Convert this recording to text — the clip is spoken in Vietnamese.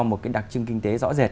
một cái đặc trưng kinh tế rõ rệt